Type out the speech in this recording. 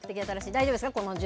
大丈夫です。